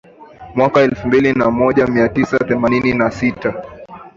Mwaka wa elfu moja mia tisa themanini na tisa